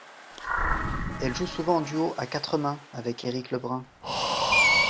Elle joue souvent en duo à quatre mains avec Éric Lebrun.